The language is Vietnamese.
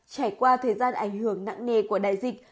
trải qua thời gian ảnh hưởng nặng nề của đại dịch